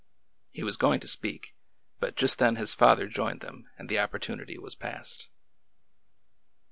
He was going to speak, but just then his father joined them and the opportunity was past.